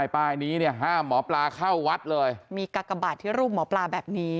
ป้ายนี้เนี่ยห้ามหมอปลาเข้าวัดเลยมีกากบาทที่รูปหมอปลาแบบนี้